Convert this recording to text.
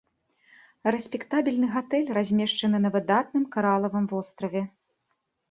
Рэспектабельны гатэль, размешчаны на выдатным каралавым востраве.